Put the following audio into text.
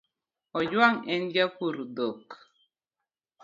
Ojwang en japur dhok